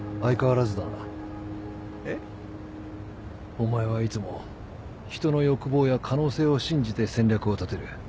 お前はいつも人の欲望や可能性を信じて戦略を立てる。